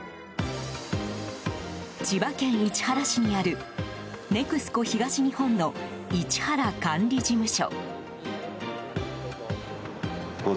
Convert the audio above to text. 千葉県市原市にあるＮＥＸＣＯ東日本の市原管理事務所。